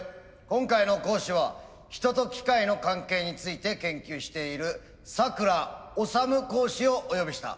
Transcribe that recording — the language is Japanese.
今回の講師は人と機械の関係について研究している佐倉統講師をお呼びした。